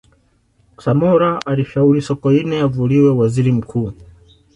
samora alishauri sokoine avuliwe uwaziri mkuu